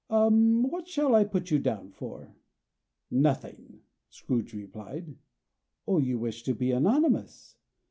What shall I put you down for?" "Nothing!" Scrooge replied. "You wish to be anonymous?"